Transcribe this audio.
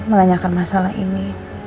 melenyahkan masalah ini